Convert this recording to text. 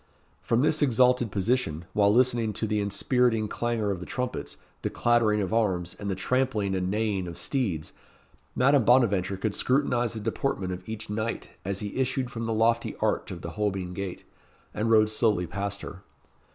From this exalted position, while listening to the inspiriting clangour of the trumpets, the clattering of arms, and the trampling and neighing of steeds, Madame Bonaventure could scrutinize the deportment of each knight as he issued from the lofty arch of the Holbein Gate, and rode slowly past her.